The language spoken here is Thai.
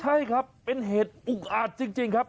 ใช่ครับเป็นเหตุอุกอาจจริงครับ